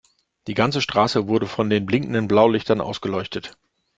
Die ganze Straße wurde von den blinkenden Blaulichtern ausgeleuchtet.